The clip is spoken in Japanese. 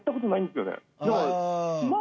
でも。